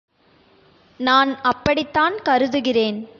நான் அப்படித்தான் கருதுகிறேன்!